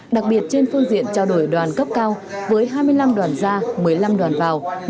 đặc biệt trên phương diện trao đổi đoàn cấp cao với hai mươi năm đoàn gia một mươi năm đoàn vào